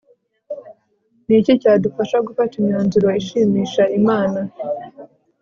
ni iki cyadufasha gufata imyanzuro ishimisha imana